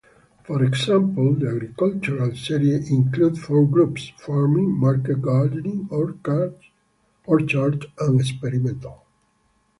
For example, the agricultural serie included four groups: farming, market gardening, orchard, and experimental.